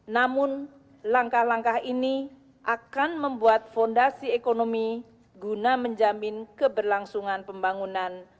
namun langkah langkah ini akan membuat fondasi ekonomi guna menjamin keberlangsungan pembangunan